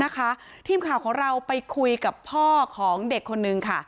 ทีมข่าวของเราไปคุยกับพ่อของเด็กคนนึงค่ะ